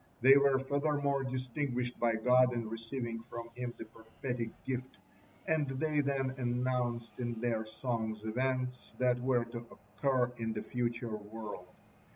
They were furthermore distinguished by God in receiving from Him the prophetic gift, and they then announced in their songs events that were to occur in the future world.